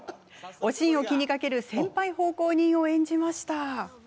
おしんを気にかける先輩奉公人を演じました。